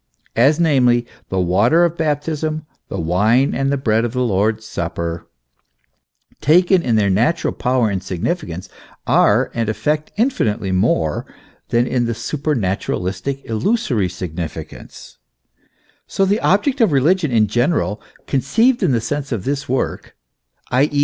As, namely, the water of Baptism, the wine and bread of the Lord's Supper, taken in their natural power and significance, are and effect infinitely more than in a superna turalistic, illusory significance; so the object of religion in general, conceived in the sense of this work, i. e.